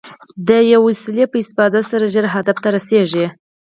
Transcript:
د یوې وسیلې په استفادې سره ژر هدف ته رسېږي.